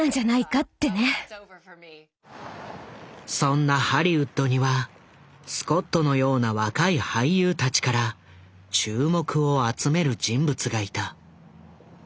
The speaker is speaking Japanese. そんなハリウッドにはスコットのような若い俳優たちから注目を集める人物がいた。